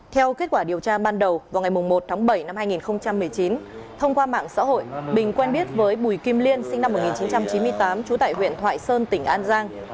theo kết quả điều tra ban đầu vào ngày một tháng bảy năm hai nghìn một mươi chín thông qua mạng xã hội bình quen biết với bùi kim liên sinh năm một nghìn chín trăm chín mươi tám trú tại huyện thoại sơn tỉnh an giang